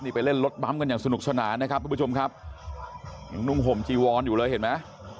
นี่ไปเล่นรถบั้มกันอย่างสนุกสนานนะครับทุกผู้ชมครับยังนุ่งห่มจีวอนอยู่เลยเห็นไหม